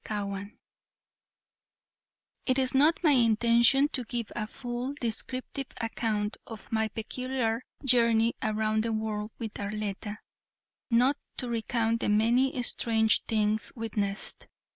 CHAPTER IX It is not my intention to give a full descriptive account of my peculiar journey around the world with Arletta, nor to recount the many strange things witnessed.